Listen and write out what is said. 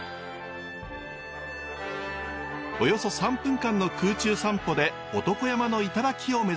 およそ３分間の空中散歩で男山の頂を目指します。